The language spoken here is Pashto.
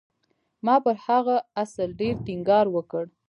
ما پر هغه اصل ډېر ټينګار وکړ.